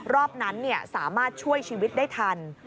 รอบนั้นสามารถช่วยชีวิตได้ทัน